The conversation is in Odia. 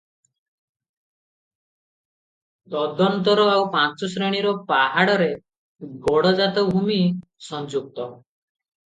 ତଦନନ୍ତର ଆଉ ପାଞ୍ଚ ଶ୍ରେଣୀର ପାହାଡ଼ରେ ଗଡ଼ଜାତ ଭୂମି ସଂଯୁକ୍ତ ।